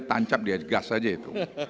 tancap dia gas saja itu